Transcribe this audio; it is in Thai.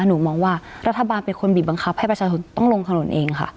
หนูมองว่ารัฐบาลเป็นคนบีบบังคับให้ประชาชนต้องลงถนนเองค่ะ